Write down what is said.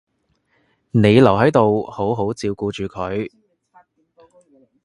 你留喺度好好照顧住佢